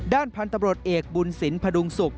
ด้านพลันตำรวจเอกบูนสินพดุงสุก